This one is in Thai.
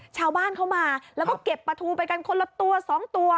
ชาวบ้านเขามาแล้วก็เก็บปลาทูไปกันคนละตัว๒ตัว